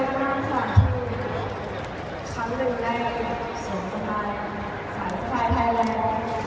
ซึ่งได้สวงสไฟล์สายสไฟล์ไทยแล้ว